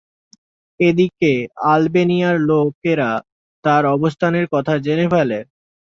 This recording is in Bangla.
এদিকে আলবেনিয়ার লোকেরা তার অবস্থানের কথা জেনে ফেলে।